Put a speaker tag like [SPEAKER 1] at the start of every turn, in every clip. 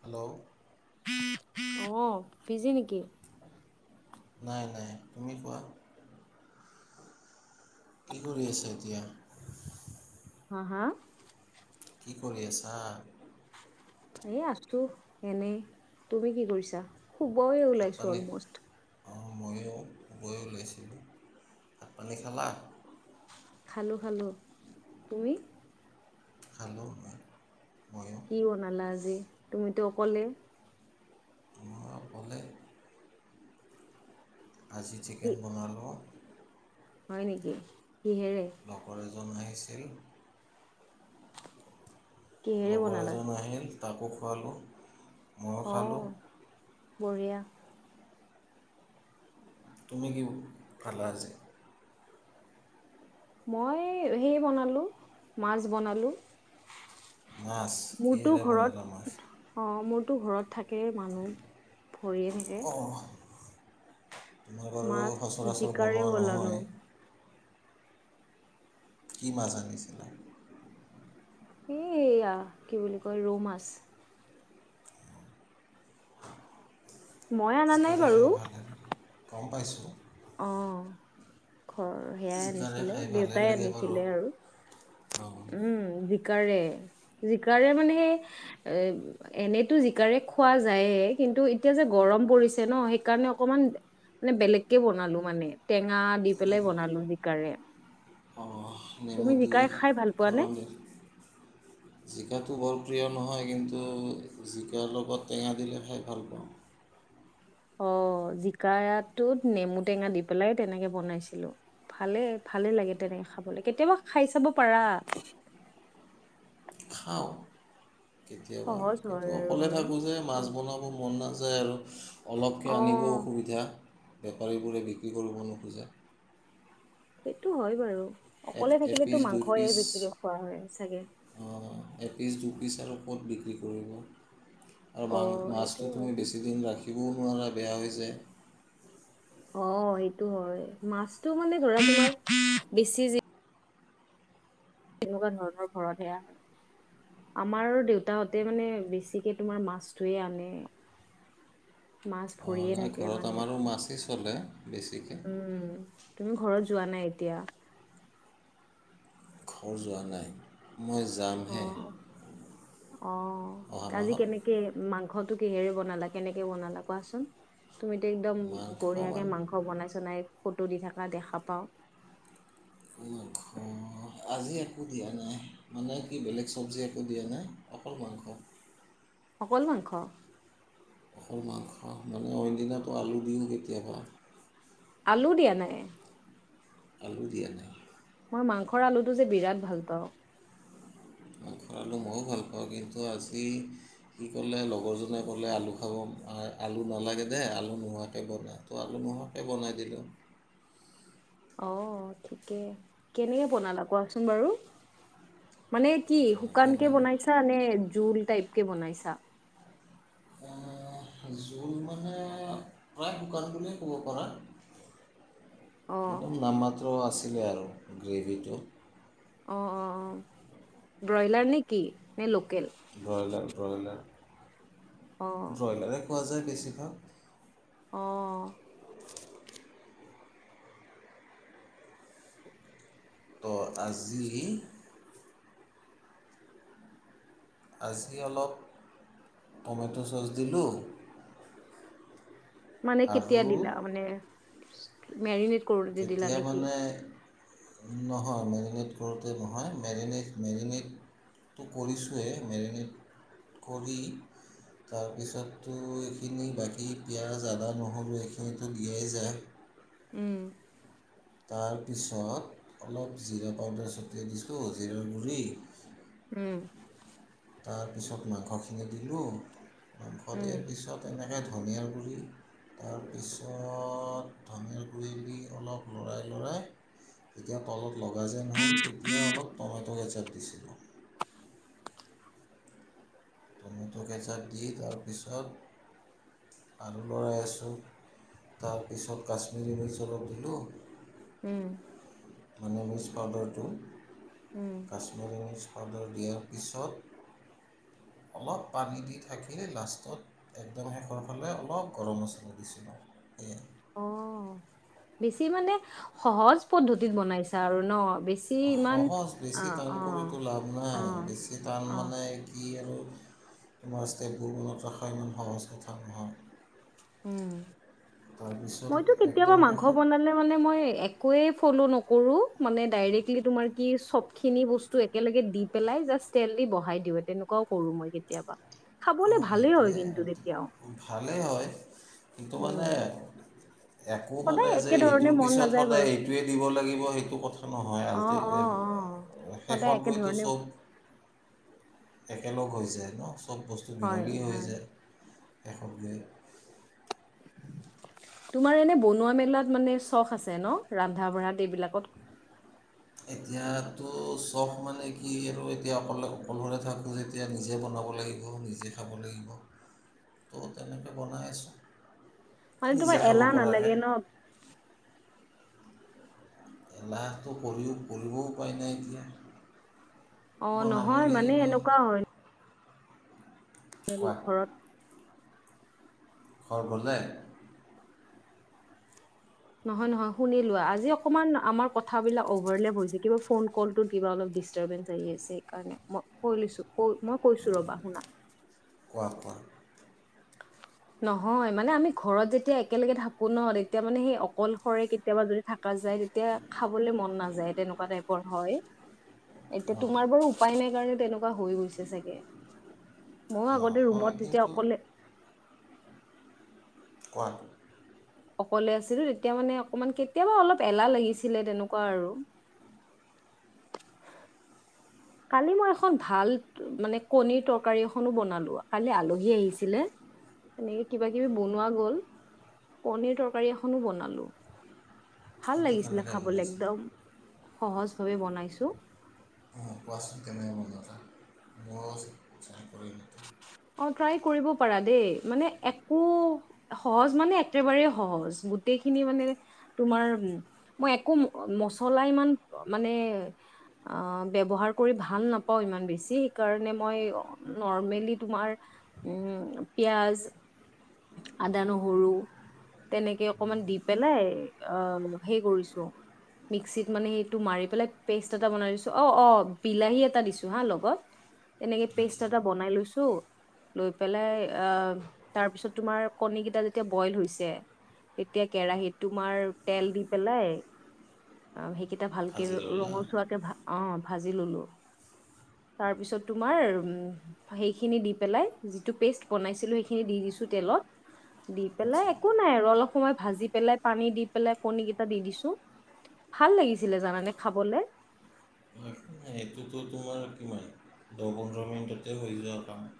[SPEAKER 1] Hello.
[SPEAKER 2] অহ busy নেকি।
[SPEAKER 1] নাই নাই তুমি কোৱা। কি কৰি আছে এতিয়া।
[SPEAKER 2] হা হা।
[SPEAKER 1] কি কৰি আছা।
[SPEAKER 2] এ আছো এনেই তুমি কি কৰিছা। শুবয়ে
[SPEAKER 1] ভাত
[SPEAKER 2] ওলাইছো
[SPEAKER 1] পানী
[SPEAKER 2] অলমষ্ট।
[SPEAKER 1] অঁ ময়ো গৈ ওলাইছিলোঁ ভাত পানী খালা।
[SPEAKER 2] খালোঁ খালোঁ তুমি।
[SPEAKER 1] খালো হয়।
[SPEAKER 2] কি বনালা আজি তুমিতো। কলে।
[SPEAKER 1] মই অকলে আজি
[SPEAKER 2] কি
[SPEAKER 1] চিকেন বনালোঁ
[SPEAKER 2] হয় নেকি কিহেৰে
[SPEAKER 1] জন আহিছিল
[SPEAKER 2] কিহেৰে
[SPEAKER 1] লগৰ
[SPEAKER 2] বনালা?
[SPEAKER 1] এজন আহিল তাকো খুৱালোঁ ময়ো খালোঁ
[SPEAKER 2] অ', বঢ়িয়া
[SPEAKER 1] তুমি কি খালা আজি
[SPEAKER 2] মই সেই বনালোঁ মাছ বনালো
[SPEAKER 1] মাছ
[SPEAKER 2] মোৰতো
[SPEAKER 1] কিহেৰে বনালা মাছ
[SPEAKER 2] ঘৰত অ মোৰ ঘৰত থাকে কে মানুহ ভৰিয়ে থাকে
[SPEAKER 1] অঁ তোমাৰ বাৰু
[SPEAKER 2] মাছ
[SPEAKER 1] সচৰাচৰ
[SPEAKER 2] জিকাৰে
[SPEAKER 1] বনোৱা
[SPEAKER 2] বনালো।
[SPEAKER 1] নহয় কি মাছ আনিছিলে
[SPEAKER 2] এয়া কি বুলি কয় ৰৌ মাছ মই অনা নাই
[SPEAKER 1] খাব ভাল নালাগে কম পাইছোঁ
[SPEAKER 2] অহ ঘৰ সেয়াই
[SPEAKER 1] জিকাৰে
[SPEAKER 2] আনিছিলে
[SPEAKER 1] খাই ভালে
[SPEAKER 2] দেউতাই
[SPEAKER 1] লাগে বাৰু
[SPEAKER 2] আনিছিলে আৰু উম জিকাৰে জিকাৰে মানে সেই এ এনেতো জিকাৰে খোৱা যায়ে কিন্তু এতিয়া যে গৰম পৰিছে ন সেইকাৰণে অকমান মানে বেলেগ কে বনালো মানে টেঙা দি পেলাই বনালো জিকাৰে
[SPEAKER 1] অ
[SPEAKER 2] তুমি
[SPEAKER 1] নেমু দি
[SPEAKER 2] জিকাই খাই ভাল পোৱা নে
[SPEAKER 1] গৰমে জিকাত টো বৰ প্ৰিয় নহয় কিন্তু জিকাৰ লগত টেঙা দিলে খাই ভাল পাওঁ
[SPEAKER 2] অ জিকাটোত নেমু টেঙা দি পেলাই তেনেকে বনাইছিলো ভালে ভালে লাগে তেনেকে খাবলে কেতিয়াবা খাই চাব পাৰা
[SPEAKER 1] খাওঁ কেতিয়াবা
[SPEAKER 2] সহজ হয়
[SPEAKER 1] কিন্তু
[SPEAKER 2] আৰু
[SPEAKER 1] অকলে থাকোঁ যে মাছ
[SPEAKER 2] মানে
[SPEAKER 1] বনাব মন নাযা যায় আৰু অলপকে
[SPEAKER 2] অ
[SPEAKER 1] আনিব অসুবিধা বেপাৰীবোৰে বিক্ৰী কৰিব নোখোজে
[SPEAKER 2] সেইটো হয় বাৰু
[SPEAKER 1] এ
[SPEAKER 2] অকলে
[SPEAKER 1] এপিচ
[SPEAKER 2] থাকিলেতো
[SPEAKER 1] দুই
[SPEAKER 2] মাংসয়
[SPEAKER 1] পিচ
[SPEAKER 2] বেছিকে খোৱা হয় চাগে
[SPEAKER 1] এপিচ দুপিচ আৰু ক'ত বিক্ৰী কৰিব আৰু
[SPEAKER 2] অ
[SPEAKER 1] মাং
[SPEAKER 2] সেইটো
[SPEAKER 1] মাছটো
[SPEAKER 2] হয়
[SPEAKER 1] তুমি বেছি দিন ৰাখি শিবও নোৱাৰা বেয়া হৈ যাই।
[SPEAKER 2] অ এইটো হয় মাছতটো মানে [unintelligible] ধৰা বেছি তেনেকুৱা ধৰণৰ ঘৰতহে আ। আমাৰ দেউতাহঁতে মানে বেছিকে তোমাৰ মাছ ধই আনে। মাছ
[SPEAKER 1] অঁ,
[SPEAKER 2] ভৰিয়ে
[SPEAKER 1] নাই
[SPEAKER 2] থাকে
[SPEAKER 1] ঘৰত
[SPEAKER 2] মানে,
[SPEAKER 1] আমাৰো মাছেই চলে বেছিকৈ
[SPEAKER 2] উম তুমি ঘৰত যোৱা নাই? দিয়া
[SPEAKER 1] ঘৰ যোৱা নাই। মই
[SPEAKER 2] অ
[SPEAKER 1] যামহে
[SPEAKER 2] অ
[SPEAKER 1] অহা
[SPEAKER 2] আজি
[SPEAKER 1] মাহত
[SPEAKER 2] কেনেকে মাংস খটো কিহেৰে বনালা? কেনেকে বনালা কোৱাচোন? তুমি এতিয়া একদম
[SPEAKER 1] মাংস
[SPEAKER 2] বঢ়িয়াকে
[SPEAKER 1] মান
[SPEAKER 2] মাংস বনাইছ নাই? ফটো দি থকা দেখা পাওঁ।
[SPEAKER 1] মাংস আজি একো দিয়া নাই মানে কি বেলেগ চব্জি একো দিয়া নাই অকল মাংস।
[SPEAKER 2] অকল মাংস?
[SPEAKER 1] অকল মাংস আও। অইনদিনা তো আলু দিওঁ কেতিয়াবা।
[SPEAKER 2] আলু দিয়া নাই?
[SPEAKER 1] আলু দিয়া নাই।
[SPEAKER 2] মই মাংসৰ আলুটো যে বিৰাট ভাল পাওঁ।
[SPEAKER 1] মাংসৰ আলু ময়ো ভাল পাওঁ। কিন্তু আজি কি ক'লে লগৰজনে ক'লে আলু খাব আলু নালাগে দে, আলু নোহোৱাকে বনায় তো আলু নোহোৱাকে বনাই দিলোঁ।
[SPEAKER 2] অ ঠিকে, কেনেকে বনালা কোৱাচোন বাৰু? মানে কি
[SPEAKER 1] তেনেকৈ
[SPEAKER 2] শুকান কে
[SPEAKER 1] মানে
[SPEAKER 2] বনাইছা নে জোল টাইপ কে বনাইছা? [inaudible]
[SPEAKER 1] জোল মানে প্ৰায় শুকান বুলিয়ে ক'ব পৰা।
[SPEAKER 2] অ
[SPEAKER 1] একদম নাম মাত্ৰ আছে। ছিলে আৰু গ্ৰেভিটো।
[SPEAKER 2] অ অ অ ব্ৰইলাৰ নে কি? নে ল
[SPEAKER 1] ব্ৰইলাৰ ব্ৰইলাৰ।
[SPEAKER 2] অ
[SPEAKER 1] ব্ৰইলাৰে। পোৱা যায় বেছিভাগ।
[SPEAKER 2] অ।
[SPEAKER 1] তো আজি আজি অলপ টমেটো' চচ দিলোঁ
[SPEAKER 2] মানে কেতিয়া
[SPEAKER 1] আৰু
[SPEAKER 2] দিলা মানে? মেৰিনেট কৰোতে দিলা
[SPEAKER 1] কেতিয়া
[SPEAKER 2] নেকি
[SPEAKER 1] মানে নহয় মেৰিনেট কৰোঁতে নহয়, মেৰিনেট মেৰিনেটটো কৰিছোৱেই মেৰিনেট কৰি, তাৰপিছতো এইখিনি বাকী পিঁয়াজ আদা নহৰু এইখিনিটো দিয়াই যায়।
[SPEAKER 2] উম।
[SPEAKER 1] তাৰপিছত অলপ জিৰা পাউদাৰ ছটিয়াই দিছোঁ, জিৰাৰ গুড়ি
[SPEAKER 2] উম।
[SPEAKER 1] তাৰপিছত মাংসখিনি দিলোঁ। মাংস
[SPEAKER 2] উম
[SPEAKER 1] দিয়াৰ পিছত এনে তে ধনিয়াৰ গুৰি তাৰপিছত ধনিয়াৰ গুৰি দি অলপ লৰাই লৰাই যেতিয়া তলত লগা যেন হ'ল তেতিয়া অলপ টমেট' গেচাত বিছিল [unintelligible] কেঁচা দি তাৰপিছত আলু লৰাই আছোঁ তাৰপিছত কাশ্মিৰী মিচ অলপ দিলোঁ
[SPEAKER 2] উম
[SPEAKER 1] মানে মিক্স পাউদাৰটো
[SPEAKER 2] উম
[SPEAKER 1] কাশ্মীৰী মিছ চাদৰ দিয়াৰ পিছত অলপ পানী দি ঢাকি লাষ্টত একদম শেষৰ ফালে অলপ গৰম মছলা দিছিলোঁ।
[SPEAKER 2] অ বেছি মানে সহজ পদ্ধতিত বনাইছা আৰু ন? বেছি ইমান
[SPEAKER 1] সহজ
[SPEAKER 2] অ
[SPEAKER 1] বেছি টান
[SPEAKER 2] অ
[SPEAKER 1] কৰোতো লাভ
[SPEAKER 2] অ
[SPEAKER 1] নাই বেছি টান
[SPEAKER 2] অ
[SPEAKER 1] মানে কি আৰু তোমাৰ ষ্টেটবোৰ মনত ৰখা ইমান সহজ কথা নহয়।
[SPEAKER 2] উম
[SPEAKER 1] তাৰপিছত
[SPEAKER 2] মইতো কেতিয়াবা
[SPEAKER 1] একদম
[SPEAKER 2] মাংস
[SPEAKER 1] শেষত
[SPEAKER 2] বনালে মানে মই একোৱে ফলো ন কৰোঁ, মানে ডাইৰেক্টলি তোমাৰ চব খিনি বস্তু একেলগে দি পেলাই যাষ্ট তেল দি বঢ়াই দিওঁ, তেনেকুৱাও কৰোঁ।
[SPEAKER 1] অঁ সেইটোৱে ভালেই হয় কিন্তু মানে
[SPEAKER 2] উম
[SPEAKER 1] একো
[SPEAKER 2] সদায়
[SPEAKER 1] মানে যে
[SPEAKER 2] একে ধৰণে
[SPEAKER 1] এইটোৰ
[SPEAKER 2] মন
[SPEAKER 1] পিছত
[SPEAKER 2] নাযায়
[SPEAKER 1] সদায়
[SPEAKER 2] বাৰু
[SPEAKER 1] এইটোৱে দিব লাগিব সেইটো কথা নহয়
[SPEAKER 2] অ
[SPEAKER 1] আলটি
[SPEAKER 2] অ অ সদায়
[SPEAKER 1] শেষত
[SPEAKER 2] একে
[SPEAKER 1] গৈতো
[SPEAKER 2] ধৰণে
[SPEAKER 1] চব একেলগ হৈ যায় ন চব
[SPEAKER 2] হয়
[SPEAKER 1] মীহলি হৈ
[SPEAKER 2] হয়
[SPEAKER 1] যায়। এশৈ [unintelligible]
[SPEAKER 2] তোমাৰ এনে বনোৱা মেলাত মানে চখ আছে ন? ৰন্ধা বঢ়াত এইবিলাকত
[SPEAKER 1] এতিয়াতো চখ মানে কি আৰু এতিয়া অকলে অকলশৰে থাকোঁ যেতিয়া নিজে বনাব লাগিব, নিজে খাব লাগিব, ত' তেনেকৈ বনাই আছোঁ।
[SPEAKER 2] মানে
[SPEAKER 1] নিজে
[SPEAKER 2] তোমাৰ
[SPEAKER 1] খাব
[SPEAKER 2] এলাহ নালাগে
[SPEAKER 1] পৰাকৈ
[SPEAKER 2] ন
[SPEAKER 1] এলাহটো কৰি কৰিবও উপায় নাই এতিয়া
[SPEAKER 2] অ
[SPEAKER 1] বনাবই
[SPEAKER 2] নহয় মানে
[SPEAKER 1] লাগিব
[SPEAKER 2] এনেকুৱা হয়
[SPEAKER 1] কোৱা
[SPEAKER 2] ঘৰত
[SPEAKER 1] ঘৰ গলে
[SPEAKER 2] নহয় নহয় শুনিলো আজি অকণমান আমাৰ কথাবিলাক অভাৰলেভ হৈছে কিবা ফোন কলটোত কিবা অলপ ডিষ্টাৰ্বেনছ আহি আছে, সেইকাৰণে মই কৈ লৈছো মই কৈছো ৰবা শুনা
[SPEAKER 1] কোৱা কোৱা
[SPEAKER 2] নহয় মানে আমি ঘৰত যেতিয়া একেলগে থাকো ন তেতিয়া মানে সেই অকলশৰে কেতিয়াবা যদি থাক যায় তেতিয়া খাবলে মন নাযায় তেনেকুৱা টাইপৰ হয়। এতিয়া
[SPEAKER 1] অঁ
[SPEAKER 2] তোমাৰ বাৰু উপায় নাই কাৰণে তেনেকুৱা হৈ গৈছে চাগে ময়ো
[SPEAKER 1] অঁ
[SPEAKER 2] আগতে
[SPEAKER 1] হয়
[SPEAKER 2] ৰুমত যেতিয়া
[SPEAKER 1] কিন্তু
[SPEAKER 2] অকলে
[SPEAKER 1] কোৱা
[SPEAKER 2] অকলে আছিলো তেতিয়া মানে অকমান কেতিয়াবা অলপ এলাহ লাগিছিলে তেনেকুৱা আৰু কালি মই এখন ভাল মানে কণীৰ তৰকাৰী এখনো বনালো, কালি আলহী আহিছিলে তেনেকে কিবা কিবি বনোৱা গ'ল কণীৰ তৰকাৰী এখনো বনালো ভাল
[SPEAKER 1] এইটো
[SPEAKER 2] লাগিছিলে
[SPEAKER 1] কেনেকৈ
[SPEAKER 2] খাবলে
[SPEAKER 1] বনাইছিল
[SPEAKER 2] একদম। সহজ ভাৱে বনাইছো।
[SPEAKER 1] অহ, কোৱাচোন [unintelligible]
[SPEAKER 2] অহ, ট্ৰাই কৰিব পাৰা দেই মানে একো সহজ মানে একেবাৰেই সহজ গোটেইখিনি মানে তোমাৰ মই একো মচলা ইমান মানে অহ ব্যৱহাৰ কৰি ভাল নাপাওঁ ইমান বেছি সেইকাৰণে মই নৰ্মেলি তোমাৰ উম পিয়াজ আদা নহৰু তেনেকে অকমান দি পেলাই অহ হেই কৰিছো মিক্সিত মানে সেইটো মাৰি পেলাই পেষ্ট এটা বনাই দিছো অহ - অহ বিলাহী এটা দিছো হা লগত তেনেকে পেষ্ট
[SPEAKER 1] আচ্ছা
[SPEAKER 2] এটা বনাই লৈছো। লৈ পেলাই আহ তাৰ পিছত তোমাৰ কণী কেইটা যেতিয়া বইল হৈছে তেতিয়া কেৰাহীত তোমাৰ তেল দি পেলাই কেইটা ভালকে
[SPEAKER 1] ভাজি ল'লা
[SPEAKER 2] ৰঙচুৱাকে ভা অহ, ভাজি ললো তাৰ পিছত তোমাৰ উম সেই সেইখিনি দি পেলাই যিটো পেষ্ট বনাইছিলো সেইখিনি দি দিছো তেলত দি পেলাই
[SPEAKER 1] আচ্ছা
[SPEAKER 2] একো নাই আৰু অলপ সময় ভাজি পেলাই পানী পেলাই কণীকেটা দি দিছো ভাল লাগিছিলে জানানে খাবলে।
[SPEAKER 1] সেইটোতো তোমাৰ কিমান দহ পোন্ধৰ মিনিটতে হৈ যোৱা কাম।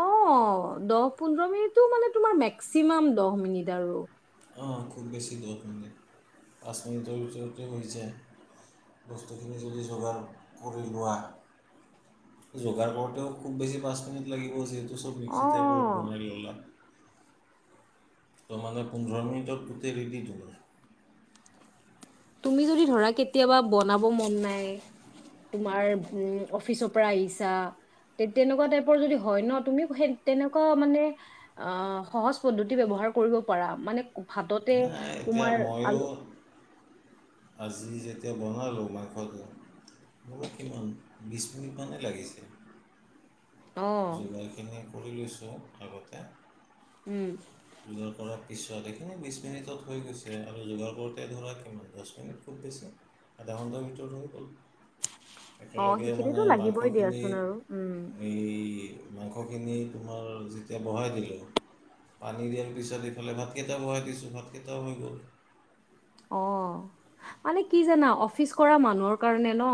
[SPEAKER 2] অহ, দহ পোন্ধৰ মিনিটো মানে তোমাৰ মেক্সিমাম দহ মিনিট আৰু।
[SPEAKER 1] অহ, খুব বেছি দহ মিনিট পাঁচ মিনিটৰ ভিতৰতে হৈ যায় বস্তুখিনি যদি যোগাৰ কৰি লোৱা যোগাৰ কৰোতেও খুব বেছি পাঁচ মিনিট লাগিব যিহেতু এই চব মিক্সি
[SPEAKER 2] অ'
[SPEAKER 1] টাইপৰ
[SPEAKER 2] অ'
[SPEAKER 1] বনাই ললা। ত' মানে পোন্ধৰ মিনিটত গোটেই ৰেডি তোমাৰ।
[SPEAKER 2] তুমি যদি ধৰা কেতিয়াবা বনাব মন নাই তোমাৰ উম অফিচৰ পৰা আহিছা তে তেনেকুৱা টাইপৰ যদি হয় ন তুমি সে তেনেকুৱা মানে অহ সহজ পদ্ধতি ব্যৱহাৰ কৰিব পাৰা মানে ভাততে
[SPEAKER 1] নাই এতিয়া
[SPEAKER 2] তোমাৰ আলু।
[SPEAKER 1] ময়ো আজি যেতিয়া বনালো মাংসটো মোৰো কিমান বিছ মিনিটমানেই লাগিছে।
[SPEAKER 2] অ
[SPEAKER 1] যোগাৰখিনি। কৰি লৈছো আগতে।
[SPEAKER 2] উম
[SPEAKER 1] নিজৰ কৰত। পিছত এইখিনি বিছ মিনিটত হৈ গৈছে আৰু যোগাৰ কৰোতে ধৰা কিমান দছ মিনিট খুব বেছি আধা ঘণ্টাৰ ভিতৰত হৈ গল।
[SPEAKER 2] অহ,
[SPEAKER 1] একেলগে মানে
[SPEAKER 2] সেইখিনিতো লাগিবই দিয়াচোন আৰু উম।
[SPEAKER 1] কি মাংসখিনি তোমাৰ যেতিয়া বহাই দিলো পানী দিয়াৰ পিছত ইফালে ভাতকেইটাও বহাই দিছো ভাতকেইটাও হৈ গ'ল।
[SPEAKER 2] অহ, মানে কি জানা অফিচ কৰা মানুহৰ কাৰণে ন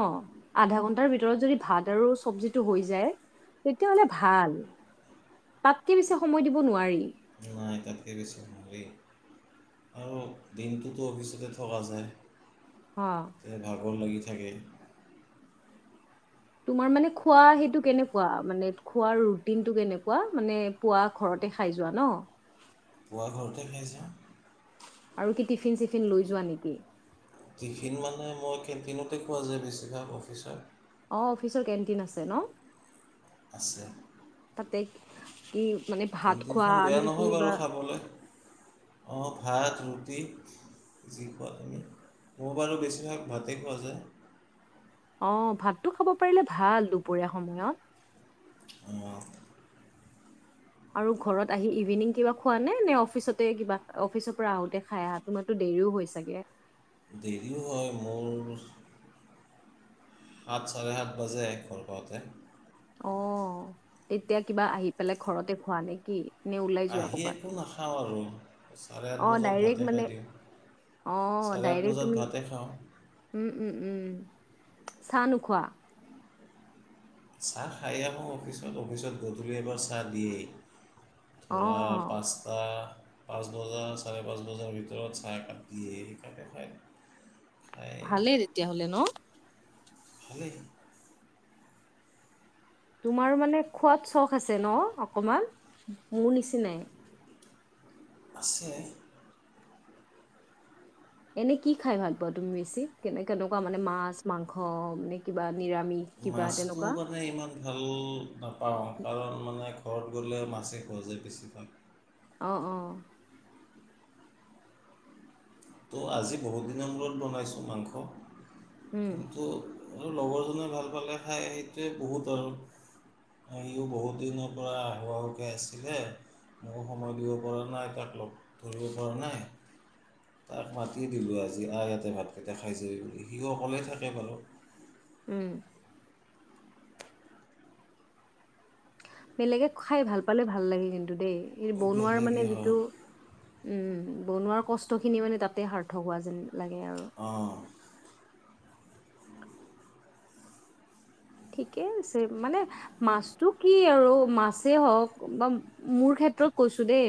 [SPEAKER 2] আধা ঘন্টাৰ ভিতৰত যদি ভাত আৰু চব্জিটো হৈ যায় তেতিয়াহলে ভাল তাতকে বেছি সময় দিব নোৱাৰি।
[SPEAKER 1] নাই তাতকে বেছি নোৱাৰি আৰু দিনটোতো অফিচতে থকা যায়।
[SPEAKER 2] হা
[SPEAKER 1] তে ভাগৰ লাগি থাকে।
[SPEAKER 2] তোমাৰ মানে খোৱা সেইটো কেনেকুৱা মানে খোৱাৰ ৰুটিনটো কেনেকুৱা মানে পুৱা ঘৰতে খাই যোৱা ন?
[SPEAKER 1] পুৱা ঘৰতে খাই যাওঁ।
[SPEAKER 2] আৰু কি টিফিন চিফি ফিন লৈ যোৱা নেকি?
[SPEAKER 1] নাই মই কেণ্টিনতে খোৱা যায় বেছিভাগ অফিচৰ।
[SPEAKER 2] অহ, অফিচৰ কেণ্টিন আছে ন?
[SPEAKER 1] আছে।
[SPEAKER 2] তে কি মানে ভাত খোৱা নে কি বা?
[SPEAKER 1] অহ, ভাত ৰুটি যি খোৱা তুমি মোৰ বাৰু বেছিভাগ ভাতেই খোৱা যায়।
[SPEAKER 2] অহ, ভাতটো খাব পাৰিলে ভাল দুপৰীয়া সময়ত।
[SPEAKER 1] উম, অহ
[SPEAKER 2] আৰু ঘৰত আহি ইভিনিং কিবা খোৱা নে- নে অফিচতে কিবা অফিচৰ পৰা আহোতে খাই আহা তোমাৰতো দেৰিও হয় চাগে।
[SPEAKER 1] দেৰিও হয় মোৰ আঠ চাৰে আাত বাজে এহ ঘৰ পাওঁতে।
[SPEAKER 2] অ এতিয়া কিবা আহি পেলাই ঘৰতে খোৱা নেকি?
[SPEAKER 1] আহি একো নাখাওঁ আৰু চাৰে আঠ
[SPEAKER 2] অ
[SPEAKER 1] বজাত
[SPEAKER 2] ডাইৰেক্ট
[SPEAKER 1] ভাতে
[SPEAKER 2] মানে
[SPEAKER 1] খাই
[SPEAKER 2] অ
[SPEAKER 1] দিওঁ চাৰে আঠ বজাত ভাতে খাওঁ।
[SPEAKER 2] উমম চাহ নোখোৱা?
[SPEAKER 1] চাহ খায় এই আহো অফিচত। অফিচত গধূলি এবাৰ চাহ দিয়েই। ধৰা
[SPEAKER 2] অ',
[SPEAKER 1] পাঁচটা পাঁচ বজা চাৰে পাঁচ বজাৰ ভিতৰত চাহ কাপ দিয়ে তাকে খাই
[SPEAKER 2] ভালেই তেতিয়াহলে ন?
[SPEAKER 1] ভালে
[SPEAKER 2] তোমাৰ মানে খোৱাত চখ আছে ন অকমান মোৰ নিচিনাই।
[SPEAKER 1] আছে।
[SPEAKER 2] এনে কি খাই ভাল পোৱা তুমি বেছি কেনে কেনেকুৱা মানে মাছ মাংস নে কিবা নিৰামিষ কিবা
[SPEAKER 1] মাছটো
[SPEAKER 2] তেনেকুৱা?
[SPEAKER 1] মানে ইমান ভাল পাওঁ কাৰণ মানে ঘৰত গ'লে মাছে খোৱা যায় বেছিভাগ
[SPEAKER 2] অ অ।
[SPEAKER 1] ত' আজি বহুত দিনৰ মূৰত বনাইছোঁ মাংস
[SPEAKER 2] উম,
[SPEAKER 1] কিন্তু আৰু লগৰজনে ভাল পালে খাই সেইটোৱে বহুত আৰু ইিও বহুত দিনৰ পৰা আহো আহোকে আছিলে মইও সময় দিব পৰা নাই তাক লগ ধৰিব পৰা নাই। তাক মাতি দিলোঁ আজি আ ইয়াতে ভাতকেইটা খাই যাবি বুলি সিও অকলেই থাকে বাৰু।
[SPEAKER 2] উম। বেলেগে খাই ভাল পালে ভাল লাগে কিন্তু দেই। এই বনোৱাৰ মানে
[SPEAKER 1] বেলেগে
[SPEAKER 2] যিটো
[SPEAKER 1] হওক
[SPEAKER 2] উম বনোৱাৰ কষ্ট খিনি মানে তাতে সাৰ্থক হোৱা যেন লাগে। আৰু।
[SPEAKER 1] অ।
[SPEAKER 2] ঠিকে আছে মানে মাছটো কি আৰু মাছে হওক বা মোৰ ক্ষেত্ৰত কৈছো দেই